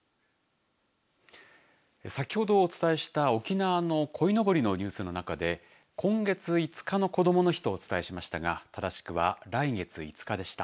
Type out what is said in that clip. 先ほどお伝えした沖縄のこいのぼりのニュースの中で今月５日のこどもの日とお伝えしましたが正しくは来月５日でした。